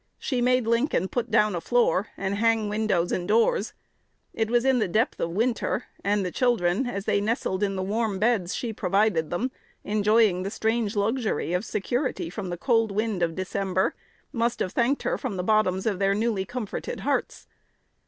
She made Lincoln put down a floor, and hang windows and doors. It was in the depth of winter; and the children, as they nestled in the warm beds she provided them, enjoying the strange luxury of security from the cold winds of December, must have thanked her from the bottoms of their newly comforted hearts.